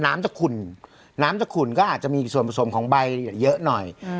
น้ำจะขุ่นน้ำจะขุ่นก็อาจจะมีส่วนผสมของใบเยอะหน่อย